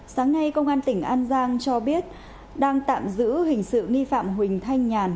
sáng nay công an tỉnh an giang cho biết đang tạm giữ hình sự nghi phạm huỳnh thanh nhàn